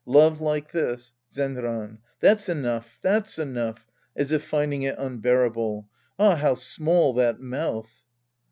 Love like this — Zenran. That's enough. That's enough. {As if finding it unbearable!) Ah, how small that mouth